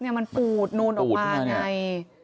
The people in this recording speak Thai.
มันปูดนูนออกมาไง